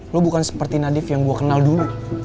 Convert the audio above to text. lu bukan seperti nadief yang gua kenal dulu